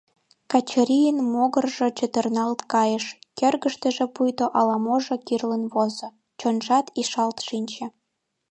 Качырийын могыржо чытырналт кайыш, кӧргыштыжӧ пуйто ала-можо кӱрлын возо, чонжат ишалт шинче.